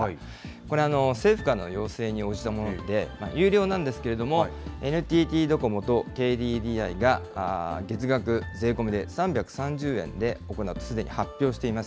これ、政府からの要請に応じたもので、有料なんですけれども、ＮＴＴドコモとＫＤＤＩが月額税込みで３３０円で行うとすでに発表しています。